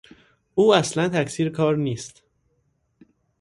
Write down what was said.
او اصلا تقصیر کار نیست.